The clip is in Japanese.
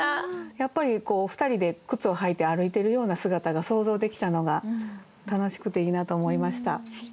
やっぱり２人で靴を履いて歩いてるような姿が想像できたのが楽しくていいなと思いました。